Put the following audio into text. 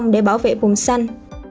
để bảo vệ vùng xanh